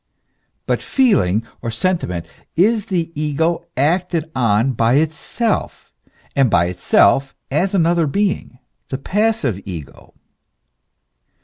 But feeling or sentiment is the ego acted on by itself, and by itself as another being, the passive ego.